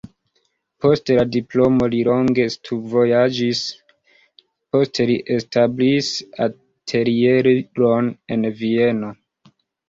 Post la diplomo li longe studvojaĝis, poste li establis atelieron en Vieno.